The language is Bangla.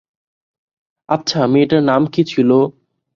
আচ্ছা, মেয়েটার নাম কি ছিল?